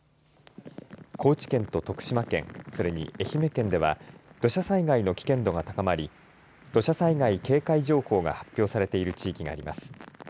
高知県と徳島県それに愛媛県では土砂災害の危険度が高まり土砂災害警戒情報が発表されている地域があります。